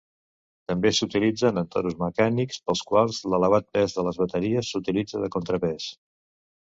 També s'utilitzen en toros mecànics, pels quals l'elevat pes de les bateries s'utilitza de contrapès.